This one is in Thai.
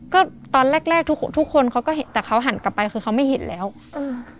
ก็ตอนแรกแรกทุกคนทุกคนเขาก็เห็นแต่เขาหันกลับไปคือเขาไม่เห็นแล้วอืม